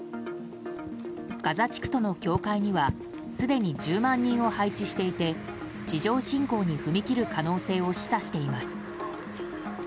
ガザ地区との境界にはすでに１０万人を配置していて地上侵攻に踏み切る可能性を示唆しています。